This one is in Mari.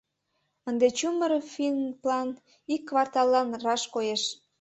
Ынде чумыр финплан ик кварталлан раш коеш.